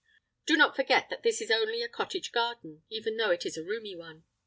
Do not forget that this is only a cottage garden, even though it is a roomy one.